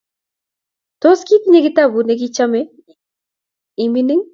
Tos, kitinye kitabut negichame imining?